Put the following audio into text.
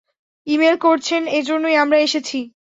Email করছেন, এজন্যই আমরা এসেছি।